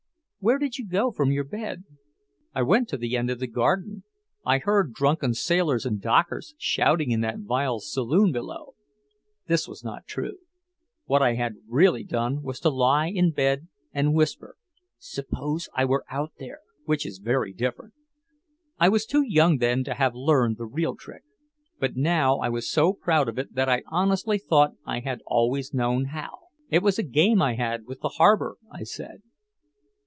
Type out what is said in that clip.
"Where did you go from your bed?" "I went to the end of the garden. I heard drunken sailors and dockers shouting in that vile saloon below." This was not true. What I had really done was to lie in bed and whisper, "Suppose I were out there" which is very different. I was too young then to have learned the real trick. But now I was so proud of it that I honestly thought I had always known how. "It was a game I had with the harbor," I said.